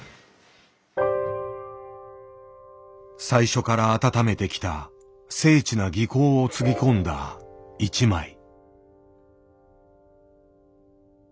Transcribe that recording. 最初から温めてきた精緻な技巧をつぎ込んだ一枚。